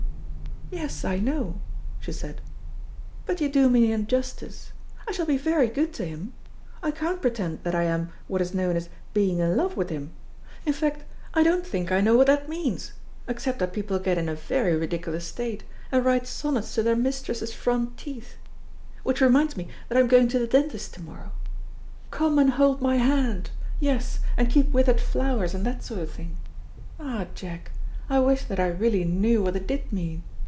"Yes, I know," she said, "but you do me an injustice. I shall be very good to him. I can't pretend that I am what is known as being in love with him in fact I don't think I know what that means, except that people get in a very ridiculous state, and write sonnets to their mistress's front teeth, which reminds me that I am going to the dentist to morrow. Come and hold my hand yes, and keep withered flowers and that sort of thing. Ah, Jack, I wish that I really knew what it did mean.